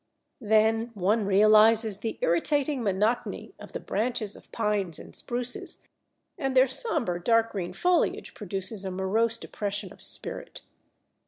Then one realizes the irritating monotony of the branches of Pines and Spruces, and their sombre, dark green foliage produces a morose depression of spirit.